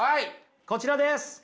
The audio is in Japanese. こちらです。